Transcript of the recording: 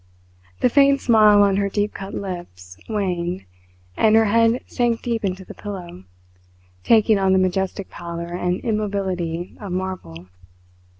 The faint smile on her deep cut lips waned, and her head sank deep into the pillow, taking on the majestic pallor and immobility of marble.